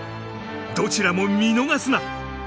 どちらも見逃すな！